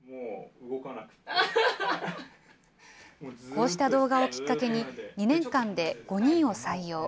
こうした動画をきっかけに、２年間で５人を採用。